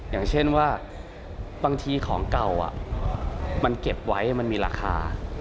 อย่างเช่นว่าบางทีของเก่ามันเก็บไว้มันมีราคา